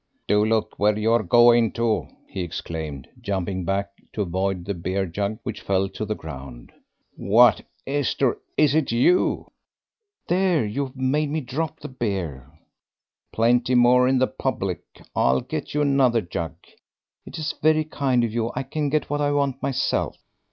"Do look where you are going to," he exclaimed, jumping back to avoid the beer jug, which fell to the ground. "What, Esther, is it you?" "There, you have made me drop the beer." "Plenty more in the public; I'll get you another jug." "It is very kind of you. I can get what I want myself."